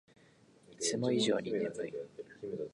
いつも以上に眠い